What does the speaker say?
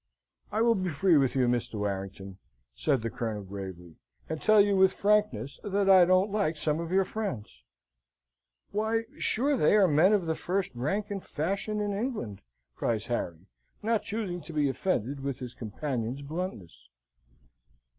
"I will be free with you, Mr. Warrington," said the Colonel, gravely, "and tell you with frankness that I don't like some of your friends!" "Why, sure, they are men of the first rank and fashion in England," cries Harry, not choosing to be offended with his companion's bluntness.